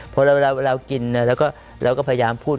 พอเรากินเราก็พยายามพูด